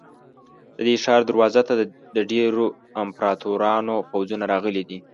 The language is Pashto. د دې ښار دروازو ته د ډېرو امپراتورانو پوځونه راغلي دي.